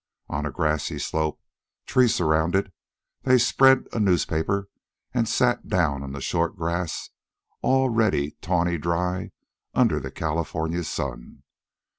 On a grassy slope, tree surrounded, they spread a newspaper and sat down on the short grass already tawny dry under the California sun.